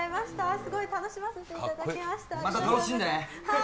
すごい、楽しませていただきましまた楽しんでね。